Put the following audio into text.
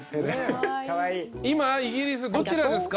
今イギリスどちらですか？